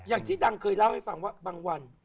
อย่างที่ดังเคยเล่าให้ฟังว่าบางวัน